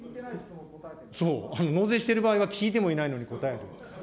納税してる場合は聞いてもいないのに答える。